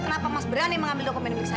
kenapa mas berani mengambil dokter